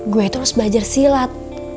gue terus belajar silat